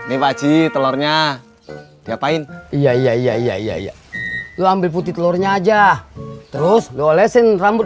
hai ini wajib telurnya diapain iya iya iya iya lu ambil putih telurnya aja terus dolesin rambut